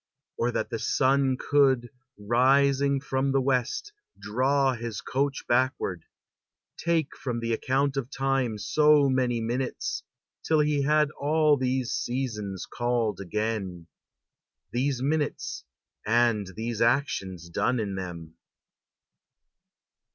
Or that the sun Could, rising from the West, draw his coach backward, Take from the account of time so many minutes. Till he had all these seasons called again, These minutes and these actions done in them.